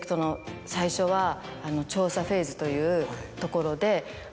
調査フェーズというところで。